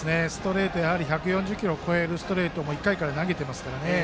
１４０キロを超えるストレートも１回から投げていますからね。